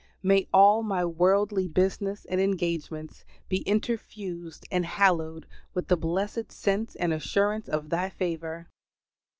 May all my worldly business and engagements be interfused and hallowed with the blessed sense and assurance of Thy favor!